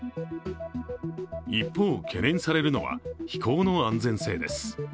一方、懸念されるのは飛行の安全性です。